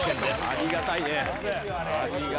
ありがたいわ。